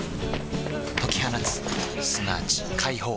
解き放つすなわち解放